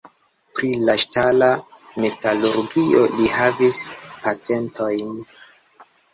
Pri la ŝtala metalurgio li havis patentojn.